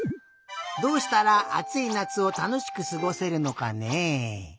どうしたらあついなつをたのしくすごせるのかね。